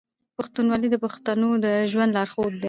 پښتونولي د پښتنو د ژوند لارښود دی.